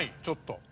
ちょっと。